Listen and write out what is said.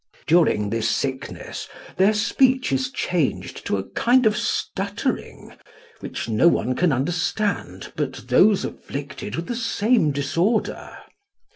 During this sickness their speech is changed to a kind of stuttering, which no one can understand but those afflicted with the same disorder.